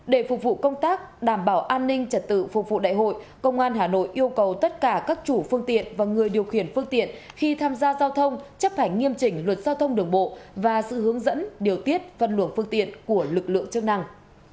để phục vụ công tác đảm bảo an ninh trật tự phục vụ đại hội công an hà nội yêu cầu tất cả các chủ phương tiện và người điều khiển phương tiện khi tham gia giao thông chấp hành nghiêm chỉnh luật giao thông đường bộ và sự hướng dẫn điều tiết phân luồng phương tiện của lực lượng chức năng